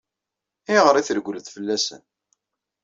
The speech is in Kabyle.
Ayɣer i treggleḍ fell-asen?